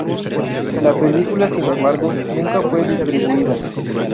La película, sin embargo, nunca fue distribuida.